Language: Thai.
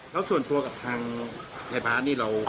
แล้วส่วนตัวกับทางยายบาทนี่เรา